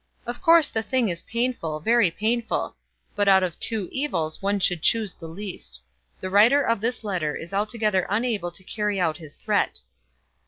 "Of course the thing is painful, very painful. But out of two evils one should choose the least. The writer of this letter is altogether unable to carry out his threat."